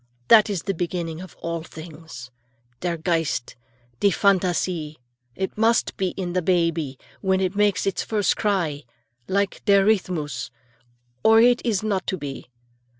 That is the beginning of all things; der Geist, die Phantasie. It must be in the baby, when it makes its first cry, like der Rhythmus, or it is not to be.